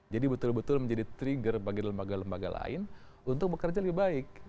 jadi betul betul menjadi trigger bagi lembaga lembaga lain untuk bekerja lebih baik